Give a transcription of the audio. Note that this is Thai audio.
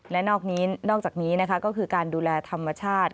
และนอกจากนี้นะคะก็คือการดูแลธรรมชาติ